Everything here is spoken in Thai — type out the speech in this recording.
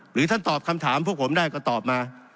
หรือท่านตอบคำถามพวกผมได้ก็ตอบมา